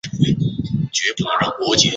祖父徐庆。